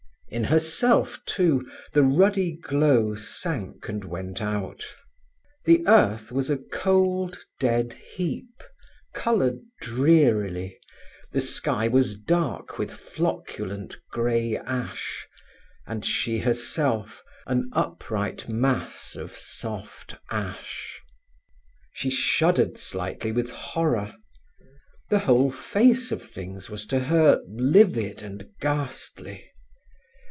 In herself, too, the ruddy glow sank and went out. The earth was a cold dead heap, coloured drearily, the sky was dark with flocculent grey ash, and she herself an upright mass of soft ash. She shuddered slightly with horror. The whole face of things was to her livid and ghastly.